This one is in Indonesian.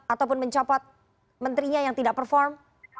ataupun mencopot menterinya yang tidak perform